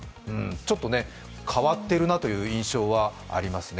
ちょっと変わっているなという印象はありますね。